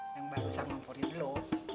yang barusan mampu liat lo